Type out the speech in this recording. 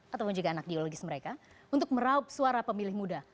ataupun juga anak biologis mereka untuk meraup suara pemilih muda